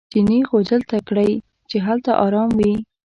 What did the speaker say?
چیني غوجل ته کړئ چې هلته ارام وي.